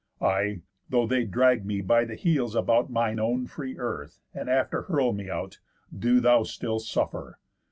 Ay, though they drag me by the heels about Mine own free earth, and after hurl me out, Do thou still suffer.